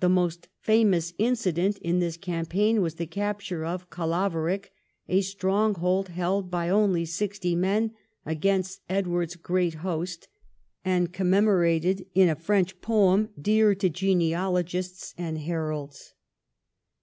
The most famous incident in this campaign was the capture of Carlaverock, a strong hold held by only sixty men against Edward's great host, and commemorated in a French poem, dear to genea logists and heralds.